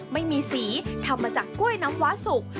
ไม่มีสีทำมาจากกล้วยน้ำว้าสุก